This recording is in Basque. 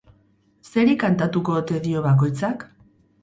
Zeri kantatuko ote dio bakoitzak?